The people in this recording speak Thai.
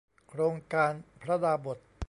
โครงการพระดาบส